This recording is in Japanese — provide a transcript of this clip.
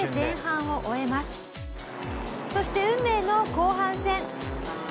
そして運命の後半戦。